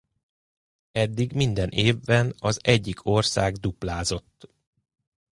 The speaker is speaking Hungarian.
Eddig minden évben az egyik ország duplázott.